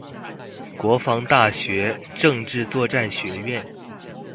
國防大學政治作戰學院